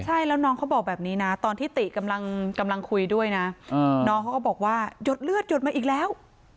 ใช่แล้วน้องเขาบอกแบบนี้นะตอนที่ติกำลังคุยด้วยนะน้องเขาก็บอกว่าหยดเลือดหยดมาอีกแล้ว